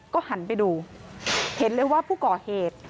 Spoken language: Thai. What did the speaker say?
ก็หันไปดูเห็นเลยว่าผู้ก่อเหตุ